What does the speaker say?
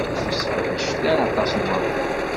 Ur sseqdacet ara aṭas n waman.